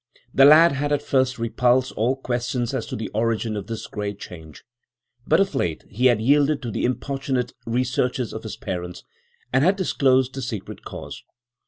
The lad had at first repulsed all questions as to the origin of this great change, but of late he had yielded to the importunate researches of his parents, and had disclosed the secret cause.